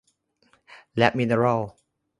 และมิเนอรัล